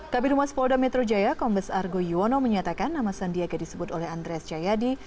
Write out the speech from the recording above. kabinet humas polda metro jaya kombes argo yuwono menyatakan nama sandiaga disebut oleh andreas jayadi